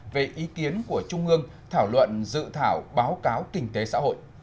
về ý kiến của trung ương thảo luận dự thảo báo cáo kinh tế xã hội